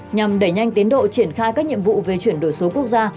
nhằm đẩy nhanh tiến độ triển khai các nhiệm vụ về chuyển đổi số quốc gia